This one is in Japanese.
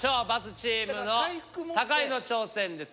×チームの高井の挑戦です。